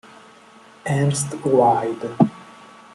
Ernst Wide